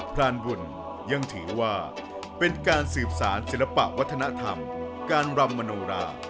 พรานบุญยังถือว่าเป็นการสืบสารศิลปะวัฒนธรรมการรำมโนรา